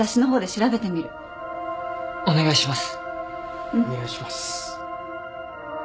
お願いします。